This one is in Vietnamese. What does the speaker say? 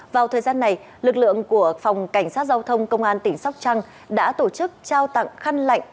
vào thời gian này lực lượng của phòng cảnh sát giao thông công an tỉnh sóc trăng đã tổ chức trao tặng khăn lạnh